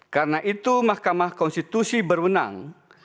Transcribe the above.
karena itu mahkamah konstitusi berwenang